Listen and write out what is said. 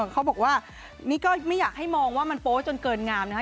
เขาบอกว่านี่ก็ไม่อยากให้มองว่ามันโป๊จนเกินงามนะคะ